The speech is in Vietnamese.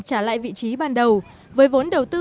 trả lại vị trí ban đầu với vốn đầu tư